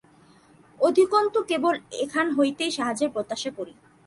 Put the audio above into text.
অধিকন্তু কেবল এখান হইতেই সাহায্যের প্রত্যাশা করি।